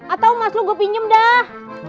atau mas lu gua pinjem dah